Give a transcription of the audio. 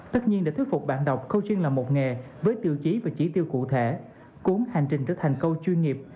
tất nhiên để thuyết phục bạn đọc coaching là một nghề với tiêu chí và chỉ tiêu cụ thể cuốn hành trình trở thành coach chuyên nghiệp